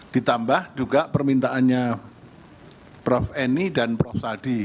ditambah juga permintaannya prof eni dan prof adi